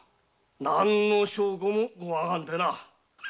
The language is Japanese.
何の証拠もごわはんでな。